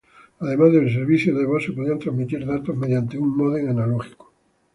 Además del servicio de voz, se podían transmitir datos mediante un módem analógico.